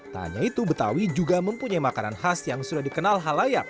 tak hanya itu betawi juga mempunyai makanan khas yang sudah dikenal halayak